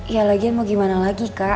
ya lagian mau gimana lagi kak